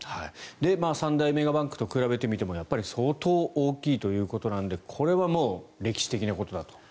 三大メガバンクと比べてみても相当大きいということなのでこれはもう歴史的なことだと。